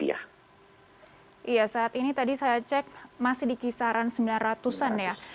iya saat ini tadi saya cek masih di kisaran sembilan ratus an ya